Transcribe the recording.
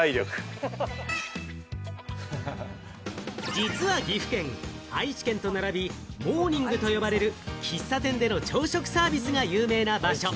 実は岐阜県、愛知県と並び、モーニングと呼ばれる、喫茶店での朝食サービスが有名な場所。